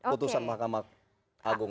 ketusan mahkamah agung